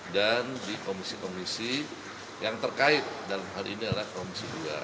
dan di komisi komisi yang terkait dalam hal ini adalah komisi dua